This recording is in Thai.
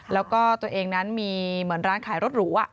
แล้วก็ตัวเองนั้นมีเหมือนร้านขายรถหรู